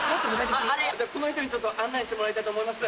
この人に案内してもらいたいと思います。